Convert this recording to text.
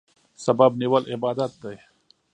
سبب نیول عبادت دی.